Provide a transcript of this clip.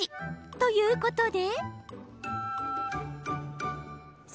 ということで。